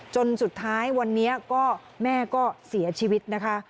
จนสุดท้ายวันนี้ก็แม่ก็เสียชีวิตนะคะ